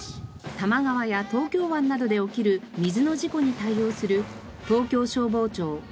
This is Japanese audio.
多摩川や東京湾などで起きる水の事故に対応する東京消防庁大森